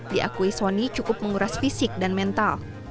diakui sony cukup menguras fisik dan mental